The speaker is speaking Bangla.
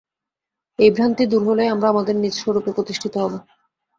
এই ভ্রান্তি দূর হলেই আমরা আমাদের নিজ স্বরূপে প্রতিষ্ঠিত হব।